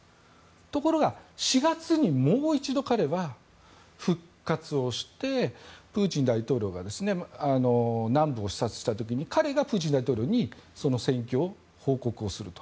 ところが、４月にもう一度彼は復活をしてプーチン大統領が南部を視察した時に彼がプーチン大統領にその戦況を報告すると。